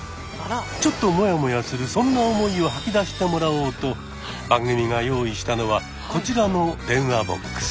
ちょっともやもやするそんな思いを吐き出してもらおうと番組が用意したのはこちらの電話ボックス。